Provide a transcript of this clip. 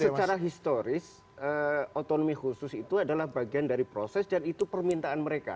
secara historis otonomi khusus itu adalah bagian dari proses dan itu permintaan mereka